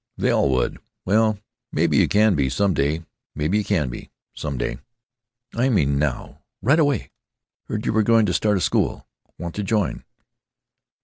They all would. Well, maybe you can be, some day. Maybe you can be.... Some day." "I mean now. Right away. Heard you were going t' start a school. Want to join."